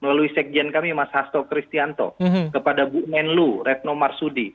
melalui sekjen kami mas hasto kristianto kepada bu menlu retno marsudi